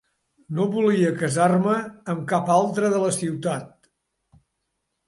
No volia casar-me amb cap altre de la ciutat.